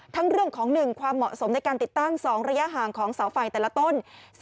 เรื่องของ๑ความเหมาะสมในการติดตั้ง๒ระยะห่างของเสาไฟแต่ละต้น